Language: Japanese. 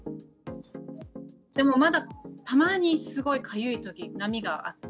でもまだたまにすごいかゆいとき、波があって。